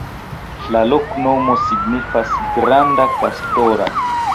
La loknomo signifas: granda-kastora.